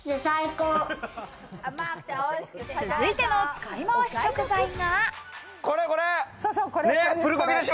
続いての使いまわし食材は。